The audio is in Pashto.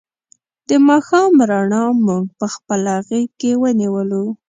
د ماښام رڼا مونږ په خپله غېږ کې ونیولو.